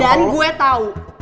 dan gue tau